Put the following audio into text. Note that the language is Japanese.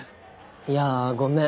いやごめん。